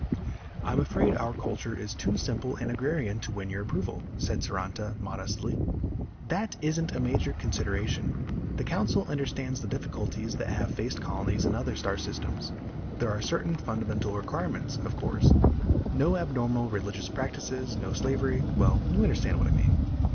"I'm afraid our culture is too simple and agrarian to win your approval," said Saranta modestly. "That isn't a major consideration. The Council understands the difficulties that have faced colonies in other star systems. There are certain fundamental requirements, of course: no abnormal religious practices, no slavery ... well, you understand what I mean."